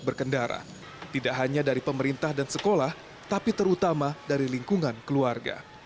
berkendara tidak hanya dari pemerintah dan sekolah tapi terutama dari lingkungan keluarga